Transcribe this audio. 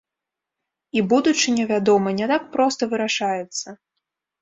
І будучыня, вядома, не так проста вырашаецца.